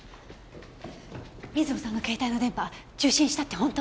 美津保さんの携帯の電波受信したって本当？